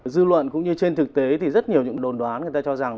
dư luận cũng như trên thực tế thì rất nhiều những đồn đoán người ta cho rằng